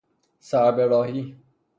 سر براهی